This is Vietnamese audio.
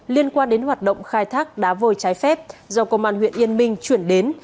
liên quan đến hoạt động khai thác đá vôi trái phép do công an huyện yên minh chuyển đến